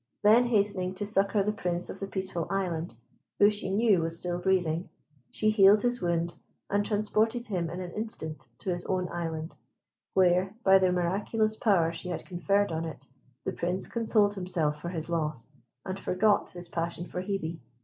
Then hastening to succour the Prince of the Peaceful Island, who she knew was still breathing, she healed his wound, and transported him in an instant to his own island, where, by the miraculous power she had conferred on it, the Prince consoled himself for his loss, and forgot his passion for Hebe.